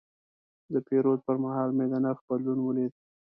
د پیرود پر مهال مې د نرخ بدلون ولید.